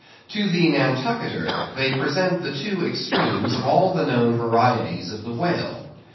To the Nantucketer, they present the two extremes of all the known varieties of the whale.